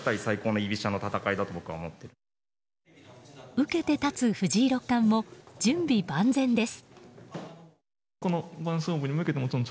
受けて立つ藤井六冠も準備万全です。